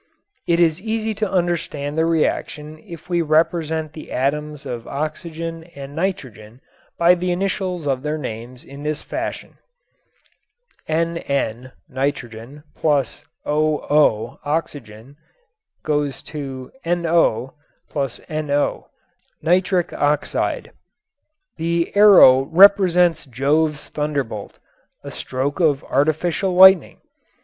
It is easy to understand the reaction if we represent the atoms of oxygen and nitrogen by the initials of their names in this fashion: NN + OO > NO + NO nitrogen oxygen nitric oxide The > represents Jove's thunderbolt, a stroke of artificial lightning.